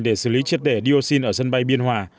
để xử lý chất đẻ dioxin ở sân bay biên hòa